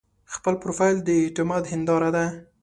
خپل پروفایل د اعتماد هنداره ده.